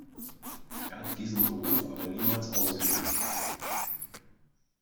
Er hat diesen Beruf aber niemals ausgeübt.